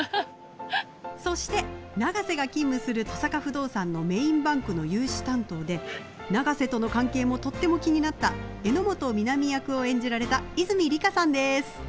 そして永瀬が勤務する登坂不動産のメインバンクの融資担当で永瀬との関係もとっても気になった榎本美波役を演じられた泉里香さんです。